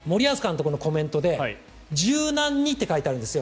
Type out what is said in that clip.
１つポイントは森保監督のコメントで柔軟にって書いてあるんですよ。